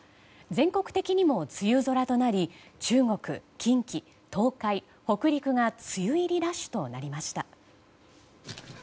全国的にも梅雨空となり中国、近畿・東海、北陸が梅雨入りラッシュとなりました。